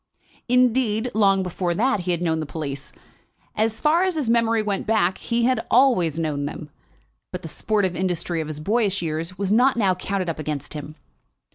Indeed, long before that he had known the police. As far as his memory went back he had always known them. But the sportive industry of his boyish years was not now counted up against him.